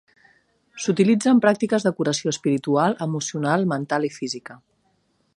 S'utilitza en pràctiques de curació espiritual, emocional, mental i física.